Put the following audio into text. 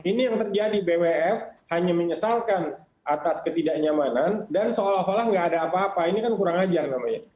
ini yang terjadi bwf hanya menyesalkan atas ketidaknyamanan dan seolah olah nggak ada apa apa ini kan kurang ajar namanya